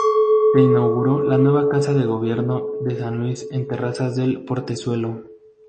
Se inauguró la nueva Casa de Gobierno de San Luis en Terrazas del Portezuelo.